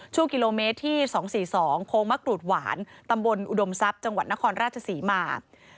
ช่วงกิโลเมตรที่๒๔๒โค้งมะกรูดหวานตำบลอุดมทรัพย์จังหวัดนครราชศรีมา